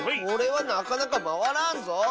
これはなかなかまわらんぞ。